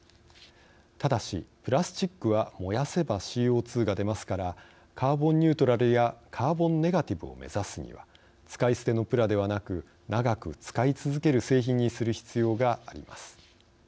ただし、プラスチックは燃やせばＣＯ２が出ますからカーボンニュートラルやカーボンネガティブを目指すには使い捨てのプラではなく長く使い続ける製品にする必要があります。